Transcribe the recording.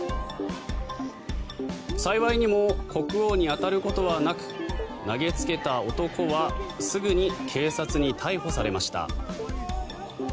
幸いにも国王に当たることはなく投げつけた男はすぐに警察に逮捕されました。